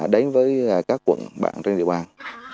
đến với các quận bạn trên địa bàn